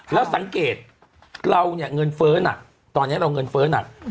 แล้วสังเกตเราเนี่ยเงินเฟ้อหนักตอนนี้เราเงินเฟ้อหนัก